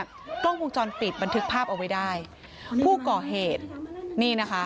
กล้องวงจรปิดบันทึกภาพเอาไว้ได้ผู้ก่อเหตุนี่นะคะ